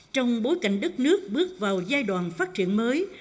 trong bối cảnh đất nước bước vào giai đoạn phát triển mới